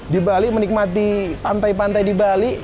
di bali menikmati pantai pantai di bali